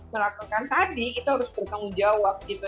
yang telah melakukan tadi itu harus bertanggung jawab gitu